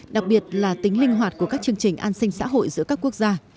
đặc biệt là tính linh hoạt của các chương trình an sinh xã hội giữa các quốc gia